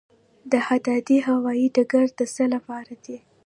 دهدادي هوايي ډګر د څه لپاره دی؟